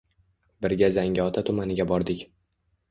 Birga Zangiota tumaniga bordik.